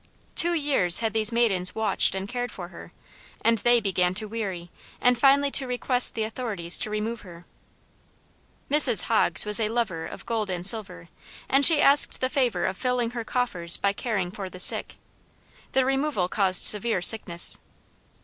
Two years had these maidens watched and cared for her, and they began to weary, and finally to request the authorities to remove her. Mrs. Hoggs was a lover of gold and silver, and she asked the favor of filling her coffers by caring for the sick. The removal caused severe sickness.